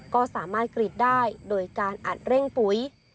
ก็สามารถกรีดได้โดยการอัดเร่งปุ๋ย